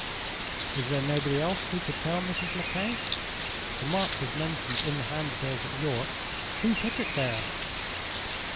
"Is there nobody else who could tell Mrs. Lecount? The mark was mentioned in the handbills at York. Who put it there?"